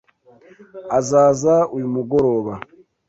Azaza uyu mugoroba? (